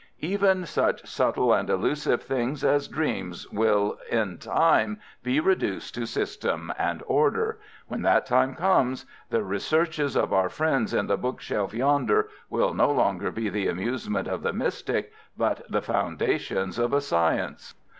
Even such subtle and elusive things as dreams will in time be reduced to system and order. When that time comes the researches of our friends in the book shelf yonder will no longer be the amusement of the mystic, but the foundations of a science."